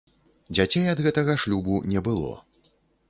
Дзяцей ад гэтага шлюбу не было.